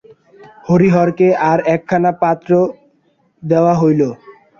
হরিহরকে আর একখানা পত্র দেওয়া হইল।